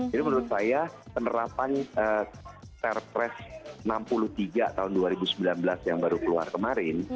jadi menurut saya penerapan terpres enam puluh tiga tahun dua ribu sembilan belas yang baru keluar kemarin